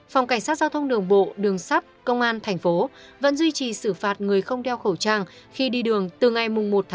phòng cảnh sát giao thông đường bộ đường sắt công an thành phố vẫn duy trì xử phạt người không đeo khẩu trang khi đi đường từ ngày một một mươi